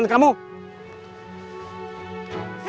ini bukan urusan kamu